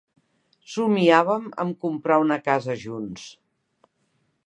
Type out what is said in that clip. Somiaven amb comprar una casa junts.